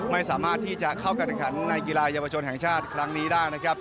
ไม่สามารถที่จะเข้ากันฝั่งวิทยาลัยยาวชนแห่งชาติครั้งนี้ได้